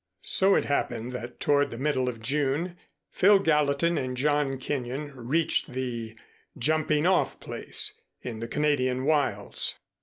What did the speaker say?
So it happened that toward the middle of June, Phil Gallatin and John Kenyon reached the "jumping off place" in the Canadian wilds.